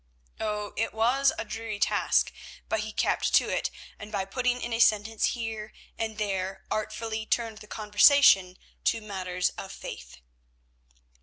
Oh! it was a dreary task, but he kept to it, and by putting in a sentence here and there artfully turned the conversation to matters of faith.